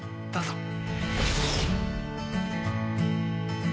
どうぞ。